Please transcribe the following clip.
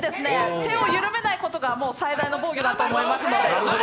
手を緩めないことが最大の防御だと思いますので。